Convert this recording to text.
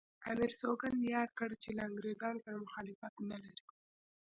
امیر سوګند یاد کړ چې له انګریزانو سره مخالفت نه لري.